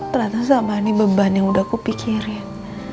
ternyata selama ini beban yang udah kupikirin